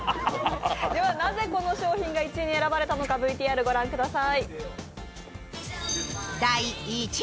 では、なぜこの商品が１位に選ばれたのか、ＶＴＲをご覧ください。